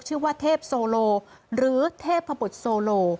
ชื่อว่าเทพโซโลหรือเทพพบุทธโซโล